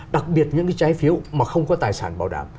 đặc biệt những cái trái phiếu mà không có tài sản bảo đảm